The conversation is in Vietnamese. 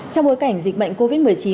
trong bối cảnh dịch bệnh covid một mươi chín